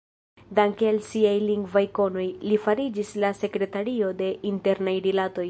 Danke al siaj lingvaj konoj, li fariĝis la sekretario de Internaj Rilatoj.